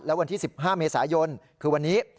วันที่๑๕เมษายนคือวันนี้